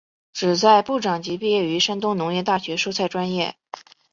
旨在部长级毕业于山东农业大学蔬菜专业。